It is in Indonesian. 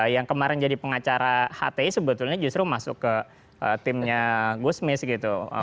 yang kemarin jadi pengacara hti sebetulnya justru masuk ke timnya gusmis gitu